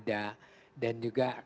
dan juga yang lainnya yang ada di dalamnya